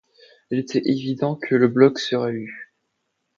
Il était évident que le blog serait lu.